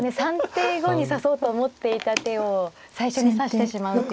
３手後に指そうと思っていた手を最初に指してしまうっていうこと。